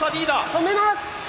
止めます！